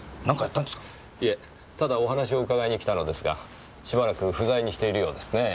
いえただお話を伺いに来たのですがしばらく不在にしているようですねぇ。